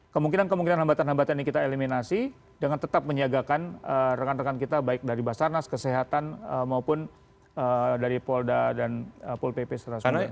kemungkinan kemungkinan hambatan hambatan ini kita eliminasi dengan tetap menjaga kan rekan rekan kita baik dari basarnas kesehatan maupun dari polda dan pul pp secara seumur